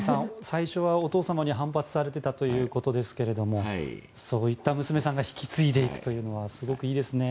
最初はお父様に反発されていたということですがそういった娘さんが引き継いでいくというのはすごくいいですね。